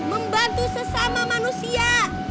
membantu sesama manusia